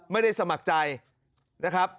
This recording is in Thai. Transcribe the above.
ไม่ได้สมัครใจนะครับ